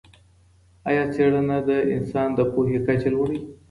ایا څېړنه د انسان د پوهې کچه لوړوي؟